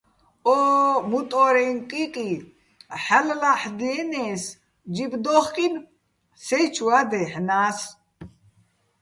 ო მუტო́რეჼ კიკი ჰ̦ალო̆ ლა́ჰ̦დიენე́ს, ჯიბ დო́ხკინო̆ სეჲჩუა́ დაჲჰ̦ნა́ს.